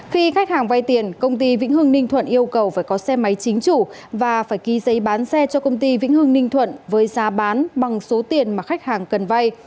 khi khách hàng vay tiền công ty vĩnh hưng ninh thuận yêu cầu phải có xe máy chính chủ và phải ký giấy bán xe cho công ty vĩnh hưng ninh thuận với giá bán bằng số tiền mà khách hàng cần vay